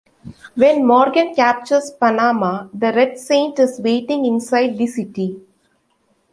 When Morgan captures Panama, the Red Saint is waiting inside the city.